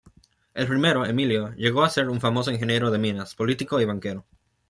El primero, Emilio, llegó a ser un famoso ingeniero de Minas, político y banquero.